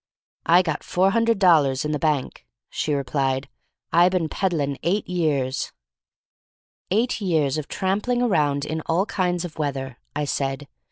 "I got four hundred dollar in the bank," she replied. "I been peddlin' eight year." "Eight years of tramping around in all kinds of weather," I said.